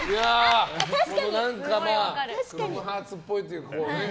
クロムハーツっぽいというかね。